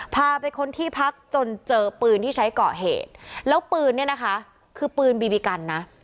พาไปค้นที่พักจนเจอปืนที่ใช้ก่อเหตุแล้วปืนเนี่ยนะคะคือปืนบีบีกันนะ